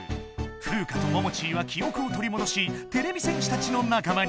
フウカとモモチーは記おくをとりもどしてれび戦士たちのなか間に。